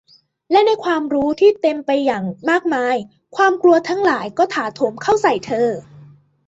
และในความรู้ที่เต็มไปอย่างมากมาย ความกลัวทั้งหลายก็ถาโถมเข้าใส่เธอ